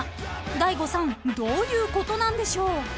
［大悟さんどういうことなんでしょう？］